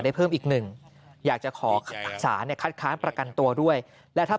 เพิ่มอีกหนึ่งอยากจะขอสารเนี่ยคัดค้านประกันตัวด้วยและถ้า